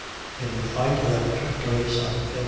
In the fight that took place on Feb.